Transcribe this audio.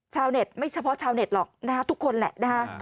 ชาวเน็ตไม่เฉพาะชาวเน็ตหรอกนะฮะทุกคนแหละนะฮะ